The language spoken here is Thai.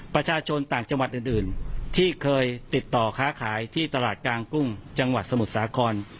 ประชาชนต่างจังหวัดอื่นที่เคยติดต่อค้าขายที่ตลาดกลางกุ้งจังหวัดสมุทรสาคร